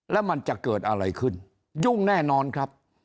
แล้วมันจะเกิดอะไรขึ้นยุ่งแน่นอนครับ